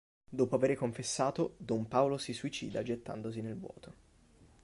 Dopo avere confessato, Don Paolo si suicida gettandosi nel vuoto.